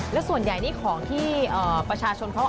และส่วนใหญ่นี่ของที่ประชาชนเขา